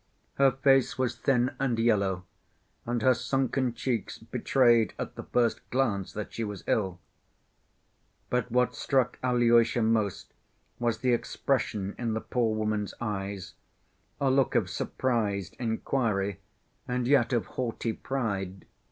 Her face was thin and yellow, and her sunken cheeks betrayed at the first glance that she was ill. But what struck Alyosha most was the expression in the poor woman's eyes—a look of surprised inquiry and yet of haughty pride.